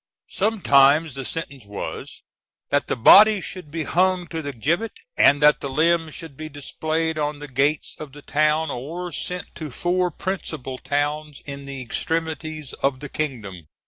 Sometimes the sentence was, that the body should be hung to the gibbet, and that the limbs should be displayed on the gates of the town, or sent to four principal towns in the extremities of the kingdom.